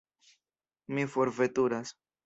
Mi forveturas.